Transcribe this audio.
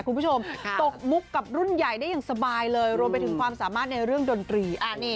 คุณผู้ชมตกมุกกับรุ่นใหญ่ได้อย่างสบายเลยรวมไปถึงความสามารถในเรื่องดนตรี